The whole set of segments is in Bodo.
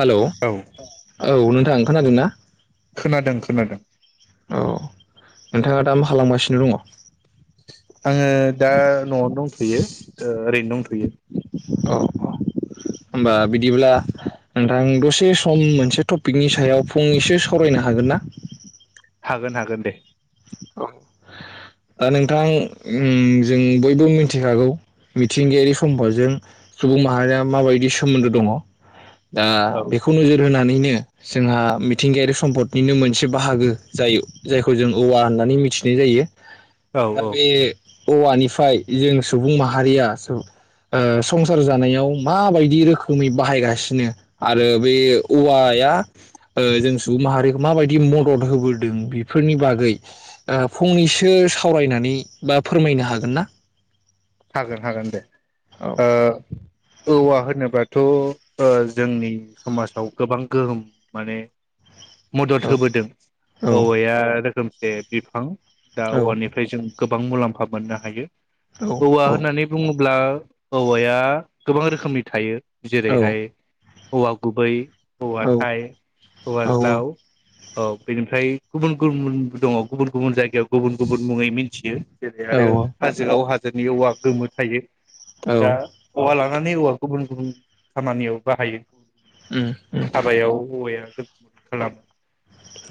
हेलौ औ नोंथां खोनादों ना? खोनादों खोनादों। औ नोंथाङा दा मा खालामगासिनो दङ? आङो दा न'वावनो दंथ'यो ओरैनो दंथ'यो। औ औ होनबा बिदिब्ला नोंथां दसे सम मोनसे टपिकनि सायाव फंनैसो सावरायनो हागोन ना? हागोन हागोन दे। ओ नोंथां जों बयबो मिथिखागौ मिथिंगायारि सम्फदजों सुबुं माहारिया माबायदि सोमोन्दो दङ। दा औ बेखौ नोजोर होनानै दिनो जोंहा मिथिंगायारि सम्फदनिनो मोनसे बाहागो जायो जायखौ जों औवा होननानै मिथिनाय जायो। औ दा औ बे औवानिफ्राय जों सुबुं माहारिया ओ संसार जानायाव माबायदि रोखोमै बाहायगासिनो आरो बे औवाया ओ जों सुबुं माहारि माबायदि मदद होबोदों बेफोरनि बा गै दा ओ फंनैसो सावरायनानै बा फोरमायनो हागोन ना? हागोन हागोन दे औ ओ। औवा होनोबाथ' ओ जोंनि समाजाव गोबां गोहोम माने मदद औ होबोदों औ औवाया रोखोम जे बिफां दा औ औवानिफ्राय जों गोबां मुलाम्फा मोननो हायो। औ औवा होननानै बुङो ब्ला औवाया गोबां रोखोमनि थायो। औ जेरैहाय औवा गुबै औवा औ थाइ औवा ज्लाउ औ बेनिफ्राय गुबुन गुबुनबो दङ गुबुन गुबुन जायगायाव गुबुन गुबुन मुङै मिनथियो। जेरै औ आरो औ हाजोआव हा जोनि औवा गोमो थायो। दा औवा ला नानै औवा गुबुन गुबुन खामानियाव बाहायो। उम उम हाबायाव औवाया [unintelligible]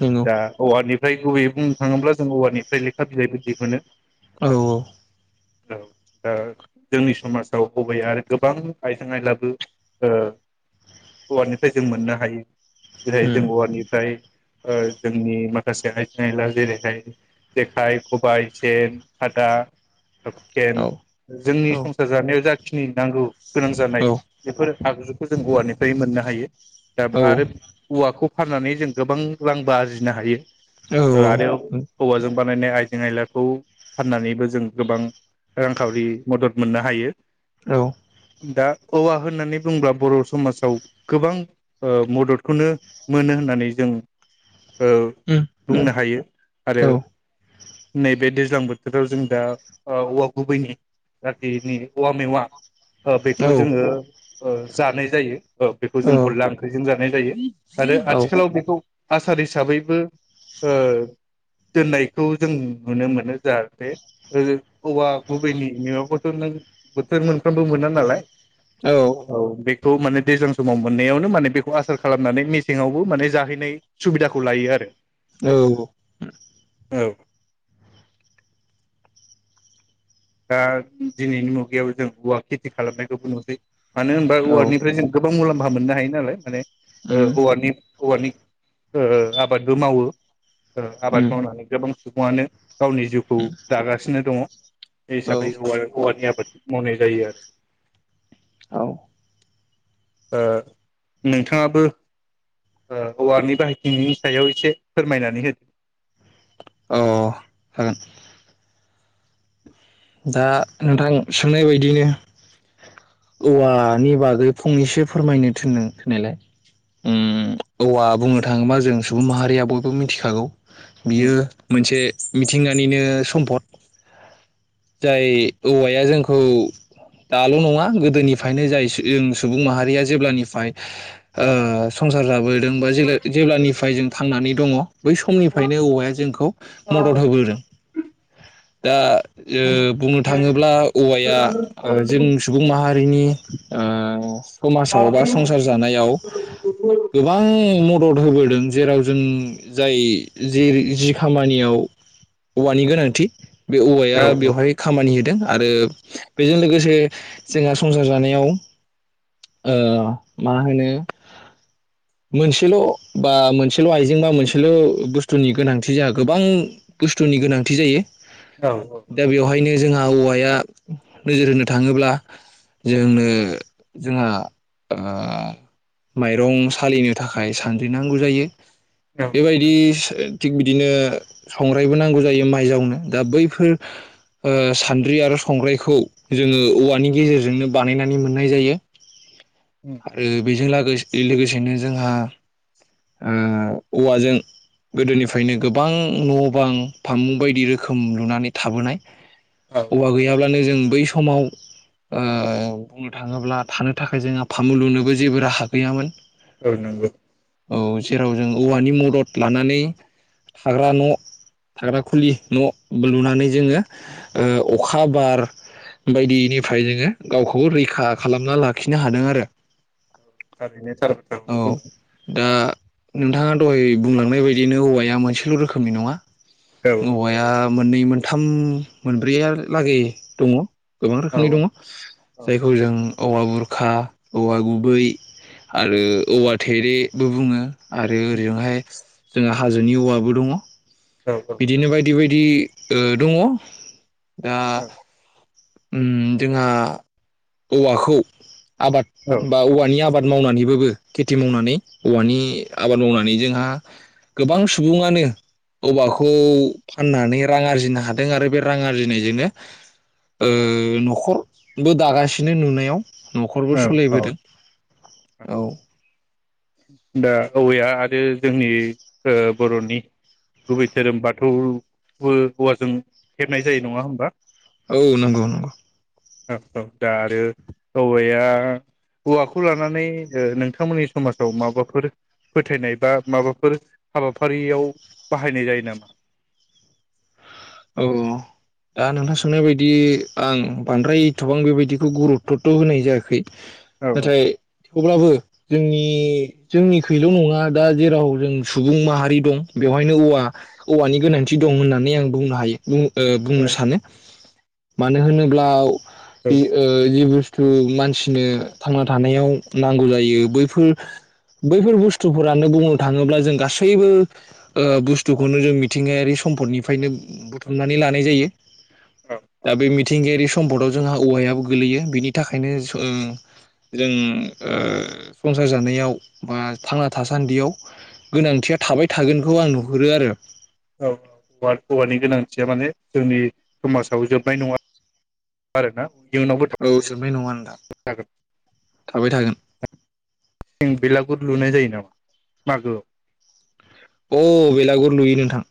नंगौ दा औवानि फ्राय गुबैयै बुंनो थाङोब्ला जों औवानिफ्राय लेखा बिलाइबो दिहुनो। औ-औ औ दा जोंनि समाजाव गुबैयै आरो गोबां आइजें आयलाबो ओ‌ औवानिफ्राय जों मोननो हायो। जेरै उम जों औवानिफ्राय ओ जोंनि माख माखासे आइजें आयला जेरैहाय जेखाइ खबाय सेन खादा औ सेन जोंनि औ संसार जानायाव जा खिनि नांगौ गोनां जानाय औ बेफोर आगजुखौ जों औवानिफ्राय मोननो हायो औ दाबो आरो औवाखौ फाननानै जों गोबां रांबो आरजिनो हायो। ओ आरो औवाजों बा माने आइजें आयलाखौ फाननानैबो जों गोबां रांखावरि मदद मोननो हायो। औ दा औवा होननानै बुंब्ला बर' समाजाव गोबां मददखौनो मोनो होननानै जों ओ उम उम बुंनो हायो औ आरो नैबे दो- जां बोथोराव जों दा औवा गुबैनि जाखिनि औवा मेवा ओ बेखौ जोङो ओ जानाय जायो ओ बेखौ जों गल्ला ओंख्रिजों जानाय जायो आरो औ आथिखालाव बेखौ आसार हिसाबैबो ओ दोननायखौ जों नुनो मोनो जाहाथे ओ औवा गुबैनि मेवाखौ नों बोथोर मोनफ्रामबो मोना नालाय औ बे बेखौ माने दैज्लां समाव मोननायावनो माने बेखौ आसार खालामनानै मेसेङावबो माने जाहैनाय सुबिदाखौ लायो आरो औ दा दिनैनि मुगायाव जों औवा खेथि खालामनायखौबो नुसै मानो होनबा औ औवानिफ्राय जों गोबां मुलाम मोननो हायो नालाय माने औ उम औवानि औवानि ओ ओ आबादबो मावो ओ आबाद उम मावनानै गोबां [unintelligible] गावनि जिउखौ दागासिनो दङ बे हिसाबै औ औवा औवानि आबाद मावनाय जायो आरो औ ओ नोंथाङाबो ओ औवानि बाहायथिनायनि सायाव एसे फोरमायनानै होदो अह होगोन दा नोंथां सोंनाय बायदिनो औवानि बागै फंनैसो फोरमायनो थिनदों थिननायलाय उम औवा बुंनो थाङोबा जों सुबुं माहारिया बयबो मिथिखागौ बियो उम मोनसे मिथिंगानिनो सम्पद जाय औवाया जोंखौ दाल' नङा गोदोनिफ्रायनो जाय जों सुबुं माहारिया जेब्लानिफ्राय ओ संसार जाबो दों बा जेब्लानिफ्राय जों थांनानै दङ बै समनिफ्रायनो औवाया जोंखौ मदद होबोदों दा ओ बुंनो थाङोब्ला औवाया ओ जों सुबुं माहारिनि ओ समाजाव बा संसार जानायाव गोबां मदद होबोदों जेराव जों जाय जेरै जि खामानियाव औवानि गोनांथि बे औवाया औ बेवहाय खामानि होदों आरो बेजों लोगोसे जोंहा संसार जानायाव ओ मा होनो मोनसेल' बा मोनसेल' आइजें बा मोनसेल' बुस्थुनि गोनांथि जोंहा गोबां बुस्थुनि गोनांथि जायो औ दा बेवहायनो जोंहा औवाया नोजोर होनो थाङोब्ला जोंनो जोंहा ओ माइरं सालिनो थाखाय सानद्रि नांगौ जायो औ औ बेबायदि थिग बिदिनो संग्रायबो नांगौ जायो माइ जावनो दा बैफोर ओ सान्द्रि आरो संग्रायखौ जोङो औवानि गेजेरजोंनो बानायनानै मोननाय जायो उम आरो बेजों ला लोगोसेनो जोंहा ओ औवाजों गोदोनिफ्रायनो गोबां न' बां फामुं बायदि रोखोम लुनानै थाबोनाय औ औवा गैयाब्लानो जों बै समाव ओ बुंनो थाङोब्ला थानो थाखाय जोंहा फामु लुनोबो जेबो राहा गैयामोन। औ नंगौ। औ जेराव जों औवानि मदद लानानै थाग्रा न' थाग्रा खुलि न' लुनानै जोङो ओ अखा बार बायदिनिफ्राय जोङो गावखौ रैखा खालामना लाखिनो हादों आरो। थारैनो थार औ बाथ्राखौनो बुंदों। दा नोंथाङा दहाय बुंलांनाय बायदिनो औवाया मोनसेल' रोखोमनि नङा। औ औवाया मोननै मोनथाम मोनब्रैयालागै दङ। गोबां औ रोखोमनि दङ जायखौ जों औवा बुरखा औवा गुबै आरो औवा थेरेबो बुङो। आरो ओजोंहाय जोंहा हाजोनि औवाबो दङ। औ बिदिनो औ बायदि बायदि ओ दङ दा औ उम जोंहा औवाखौ औ आबाद बा औवानि आबाद मावनानैबाबो खेथि मावनानै औवानि आबाद मावनानै जोंहा गोबां सुबुङानो औवाखौ फाननानै रां आरजिनो हादों आरो बे रां आरजिनायजोंनो ओ न'खरबो दागासिनो नुनायाव न'खरबो औ औ सलायबोदों औ दा औवा आरो जोंनि ओ बर'नि गुबै धोरोम बाथौबो औवाजों खेबनाय जायो नङा होमबा? औ नंगौ नंगौ औ औ दा औ वाया औवाखौ लानानै नोंथांमोननि समाजाव माबाफोर फोथायनाय बा माबाफोर हाबाफारियाव बाहायनाय जायो नामा? औ दा नोंथां सोंनाय बायदि आं बांद्राय एथबां बेबायदिखौ गुरुकथ' होनाय जायाखै औ नाथाय थेवब्लाबो जोंनि जोंनिखैल' नङा दा जेराव जों सुबुं माहारि दं बेवहायनो औवा औवानि गोनांथि दं होननानै आं बुंनो हायो। बुं ओ औ बुंनो सानो। मानो होनोब्ला बि ओ जि बुस थु मानसिनो थांना थानायाव नांगौ जायो बैफोर बैफोर बुस्थुफोरानो बुंनो थाङोब्ला जों गासैबो ओ बुस्थुखौनो जों मिथिंगायारि सम्पदनिफ्रायनो बुथुमनानै लानाय जायो। औ दा बे मि थिंगायारि सम्पदाव जोंहा औवायाबो गोलैयो बिनि थाखायनो ओ जों ओ संसार जानायाव बा थांना थासान्दियाव गोनांथिया थाबाय थागोनखौ आं हुरो आरो। औ औवा औवानि गोनांथिया माने जोंनि समाजाव जोबनाय नङा आरोना। इयुनावबो औ जोबनाय नङा नोंथां थाबाय थागोन थाबाय थागोन। जों बेलागुर लुनाय जायो नामा मागोआव अ बेलागुर लुयो नोंथां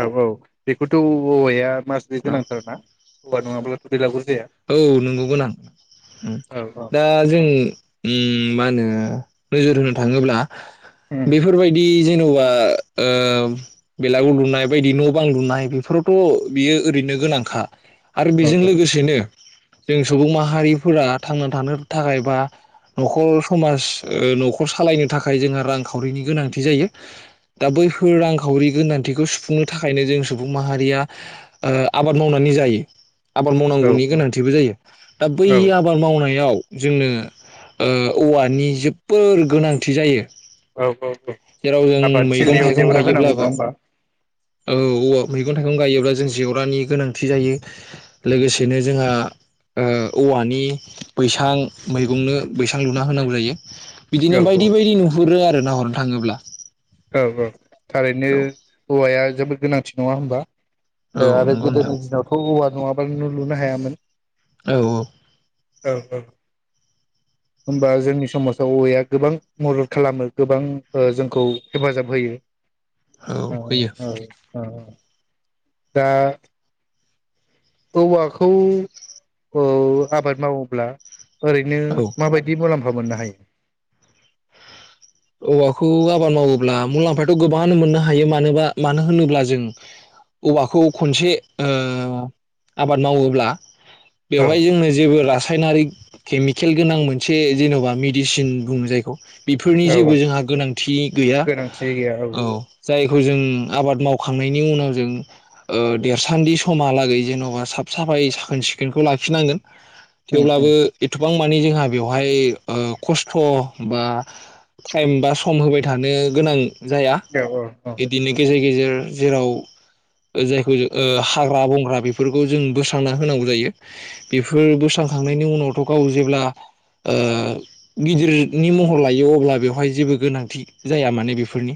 औ औ बेखौथ' औवाया [unintelligible] औ गोनांथार ना? औवा नङाब्ला बेलागुर जाया औ नंगौ गोनां औ दा जों औ ओम मा होनो नोजोर होनो थाङोब्ला उम बेफोरबायदि जों जेनेबा ओ बेलागुर लुनाय बायदि न' बां लुनाय बेफोरावथ' बियो ओरैनो गोनांखा आरो औ बेजों लोगोसेनो जों सुबुं माहारिफोरा थांना थानो थाखाय बा न'खर समाज ओ न'खर सालायनो थाखाय जोंहा रांखावरिनि गोनांथि जायो दा बैफोर रांखावरि गोनांथिखौ सुफुंनो थाखायनो जों सुबुं माहारिया ओ आबाद मावनानै जायो आबाद औ मावनांगौनि गोनांथि थिबो जायो दा बै औ आबाद मावनायाव जोंनो ओ औवानि जोबोर गोनांथि जायो। औ औ औ जेराव जों मैगं आबादथिलियाव थाइगं जेवरा होनांगौ नङा गायोब्लाबो होमबा औ औवा मैगं थाइगं गायोब्ला जों जेवरानि गोनांथि जायो। उम लोगोसेनो जोंहा ओ औवानि बैसां मैगंनो बैसां लुना होनांगौ जायो। बिदिनो औ बायदि बायदि नुहुरो आरो नाहरनो थाङोब्ला औ औ थारैनो औ औवाया जोबोद गोनांथि नङा होमबा? औ आरो नंगौ नोंथां गोदोनि दिनावथ' औवा नङाबानो न' लुनो हायामोन। औ औ औ औ होमबा जोंनि समाजाव औवाया गोबां मदद खालामो गोबां जोंखौ हेफाजाब होयो। औ ओ होयो औ ओ दा औवाखौ ओ आबाद मावोब्ला ओरैनो औ माबायदि मुलाम्फा लामफा मोननो हायो? औवाखौ आबाद मावोब्ला मुलाम्फाथ' गोबां मोननो हायो मानोबा मानो होनोब्ला जों औवाखौ खनसे ओ आबाद मावोब्ला औ बेवहाय जोंनो जेबो ला रासायनारि केमिकेल गोनां मोनसे जेन'बा मेदिसिन बुङो जायखौ बेफोर औ औ जेबो जोंहा गोनांथि गैया गोनांथि गैया औ जायखौ जों आबाद माव खांनायनि उनाव जों ओ देरसान्दि समहालागै जेन'बा साफ साफायै साखोन सिखोनखौ लाखिनांगोन । उम थेवब्लाबो उम एथबां मानि जोंहा बेवहाय ओ खस्थ' बा टाइम बा सम होबाय थानो गोनां जाया औ औ बिदिनो गेजे गेजेर जेराव जायखौ ओ हाग्रा बंग्रा बेफोरखौ जों बोस्रांना होनांगौ जायो । फोर बोस्रांखांनायनि उनावथ' गाव जेब्ला ओ गिदिरनि महर लायो अब्ला बेव हाय जेबो गोनांथि जाया माने बेफोरनि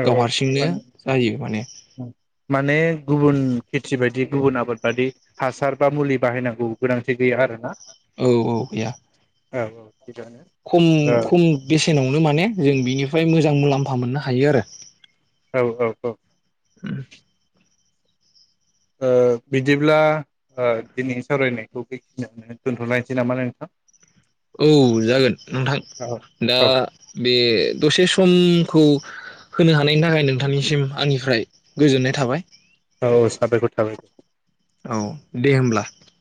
औ गाव औ मान हारसिंनो जायो माने औ माने गुबुन खेथि बायदि गुबुन आबाद बादि हासार बा मुलि बाहायनांगौ गोनांथि गैया आरोना । औ गैया औ थिगानो खम औ खम बेसेनावनो माने जों बिनि फ्राय मोजां मुलाम्फा मोननो हायो आरो । औ औ औ ओ बिदिब्ला ओ दिनैनि सावरायनायखौ बेखिनियावनो दोनथ'लायनोसै नामा नोंथां? औ जागोन नोंथां औ दा औ बे दसे सम खौ होनो हानायनि थाखाय नोंथांनिसिम आंनिफ्राय गोजोननाय थाबाय । औ औ साबायखर थाबाय औ दे होमब्ला ।